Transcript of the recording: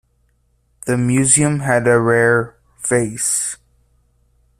The museum had a rare Vase.